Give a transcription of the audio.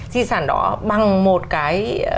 di sản đó bằng một cái